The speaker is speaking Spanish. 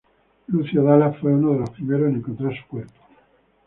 Lucio Dalla fue uno de los primeros en encontrar su cuerpo.